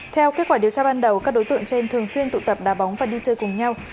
theo kết quả điều tra ban đầu các đối tượng trên thường xuyên tụ tập đá bóng và đi chơi cùng nhau